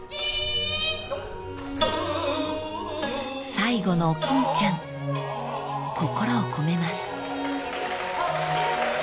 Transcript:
［最後のお君ちゃん心を込めます］